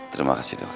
terima kasih dokter